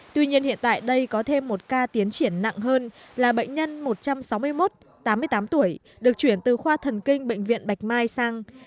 tuy nhiên hiện tại đây có thêm một ca tiến triển nặng hơn là bệnh nhân một trăm sáu mươi một tám mươi tám tuổi được chuyển từ khoa thần kinh bệnh viện bạch mai sang